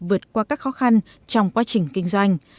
vượt qua các khó khăn trong quá trình kinh doanh